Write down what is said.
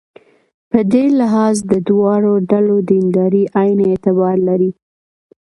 په دې لحاظ د دواړو ډلو دینداري عین اعتبار لري.